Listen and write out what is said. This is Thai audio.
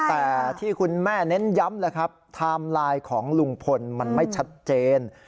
แต่ที่คุณแม่เน้นย้ำนะครับไทม์ไลน์ของลุงพลมันไม่ชัดเจน